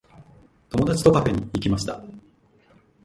友達とカフェに行きました。